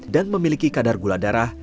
dan memiliki kadar gula darah